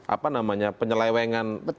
apa namanya penyelewengan